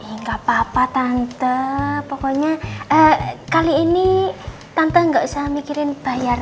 enggak apa apa tante pokoknya kali ini tante gak usah mikirin bayar